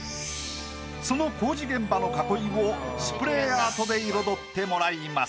その工事現場の囲いをスプレーアートで彩ってもらいます。